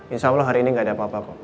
insya allah hari ini gak ada apa apa kok